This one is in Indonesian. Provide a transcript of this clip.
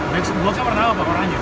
black boxnya pernah apa warnanya